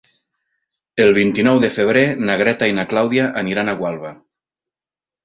El vint-i-nou de febrer na Greta i na Clàudia aniran a Gualba.